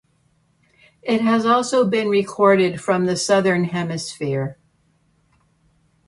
It has also been recorded from the Southern Hemisphere.